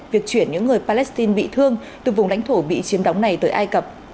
việc chuyển những người palestine bị thương từ vùng lãnh thổ bị chiếm đóng này tới ai cập